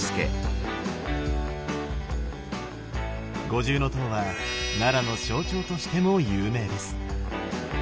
五重塔は奈良の象徴としても有名です。